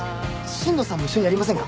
新藤さんも一緒にやりませんか？